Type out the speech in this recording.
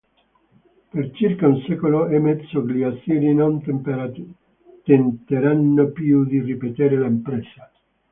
Per circa un secolo e mezzo gli Assiri non tenteranno più di ripetere l'impresa.